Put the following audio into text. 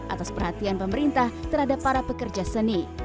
atas perhatian pemerintah terhadap para pekerja seni